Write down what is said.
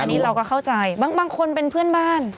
อันนี้เราก็เข้าใจบางคนเป็นเพื่อนบ้าน